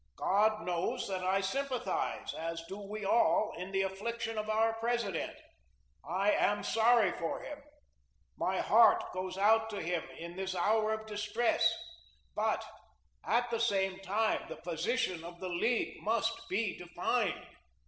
God knows that I sympathise, as do we all, in the affliction of our President. I am sorry for him. My heart goes out to him in this hour of distress, but, at the same time, the position of the League must be defined.